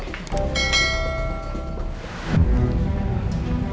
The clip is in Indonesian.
terima kasih pak